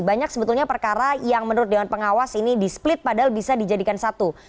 banyak sebetulnya perkara yang menurut dewan pengawas ini di split padahal bisa dijadikan satu